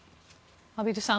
畔蒜さん